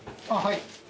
はい。